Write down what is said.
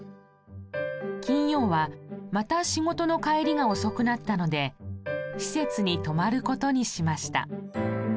金曜はまた仕事の帰りが遅くなったので施設に泊まる事にしました。